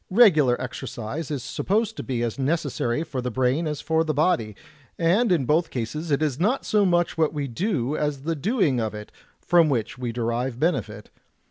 Regular exercise is supposed to be as necessary for the brain as for the body, and in both cases it is not so much what we do as the doing of it, from which we derive benefit.